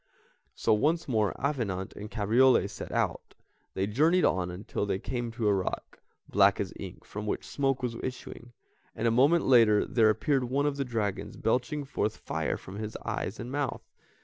So once more Avenant and Cabriole set out; they journeyed on until they came to a rock, black as ink, from which smoke was issuing, and a moment later there appeared one of the dragons belching forth fire from his eyes and mouth.